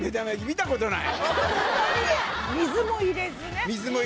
水も入れず。